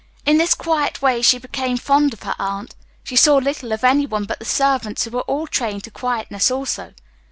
In this quiet way she became fond of her aunt. She saw little of anyone but the servants, who were all trained to quietness also.